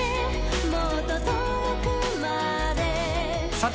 さて